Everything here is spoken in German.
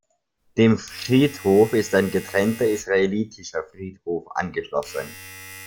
Dem Friedhof ist ein getrennter Israelitischer Friedhof angeschlossen.